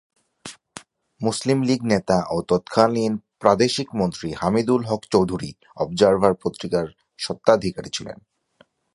মুসলিম লীগ নেতা ও তৎকালীন প্রাদেশিক মন্ত্রী হামিদুল হক চৌধুরী অবজার্ভার পত্রিকার স্বত্বাধিকারী ছিলেন।